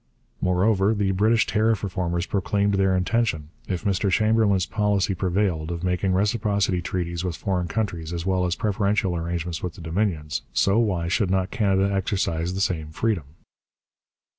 Moreover, the British tariff reformers proclaimed their intention, if Mr Chamberlain's policy prevailed, of making reciprocity treaties with foreign countries as well as preferential arrangements with the Dominions, so why should not Canada exercise the same freedom?